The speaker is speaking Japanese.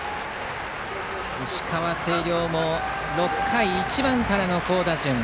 石川・星稜も６回１番からの好打順。